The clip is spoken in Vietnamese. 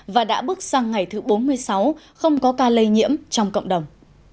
và đã bước sang ngày thứ bốn mươi sáu không có ca lây nhiễm trong cộng đồng